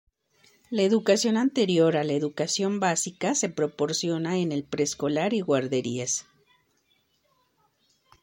La educación anterior a la educación básica se proporciona en el preescolar y guarderías.